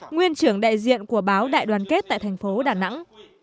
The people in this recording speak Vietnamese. nguyên trưởng đại diện của báo đại đoàn kết tại thành phố đà nẵng